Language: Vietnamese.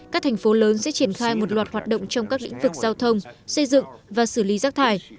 các thành phố lớn sẽ triển khai một loạt hoạt động trong các lĩnh vực giao thông xây dựng và xử lý rác thải